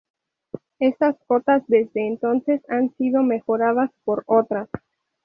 Estas cotas desde entonces han sido mejoradas por otras.